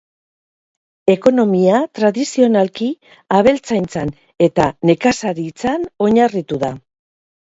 Ekonomia tradizionalki abeltzaintzan eta nekazaritzan oinarritu da.